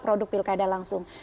produk pilkada langsung